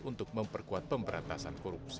untuk memperkuat pemberantasan korupsi